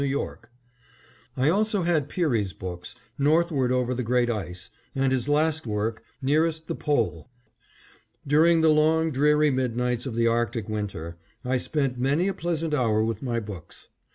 Y. I also had Peary's books, "Northward Over the Great Ice," and his last work "Nearest the Pole." During the long dreary midnights of the Arctic winter, I spent many a pleasant hour with my books.